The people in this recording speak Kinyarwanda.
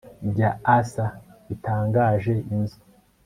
Bya Arthur bitangaje inzu